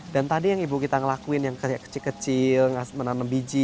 dan tadi yang ibu kita ngelakuin yang kayak kecil kecil menanam biji